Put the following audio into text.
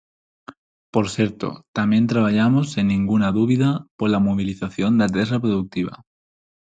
Por certo, tamén traballamos, sen ningunha dúbida, pola mobilización da terra produtiva.